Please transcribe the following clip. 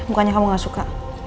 bukannya kamu gak suka